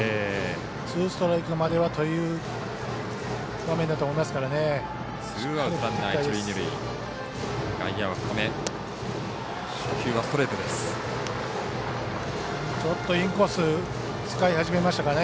ツーストライクまではという場面だと思いますからね。